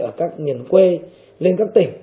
ở các miền quê lên các tỉnh